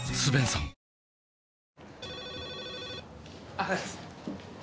あっ。